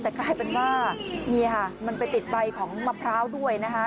แต่กลายเป็นว่านี่ค่ะมันไปติดใบของมะพร้าวด้วยนะคะ